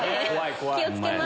気を付けます。